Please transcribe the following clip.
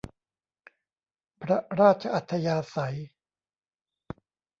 พระราชอัธยาศัย